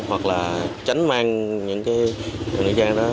hoặc là tránh mang những cái nữ trang đó